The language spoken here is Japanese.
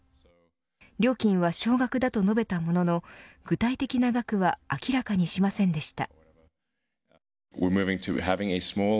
料金は少額だと述べたものの具体的な額は明らかにしませんでした。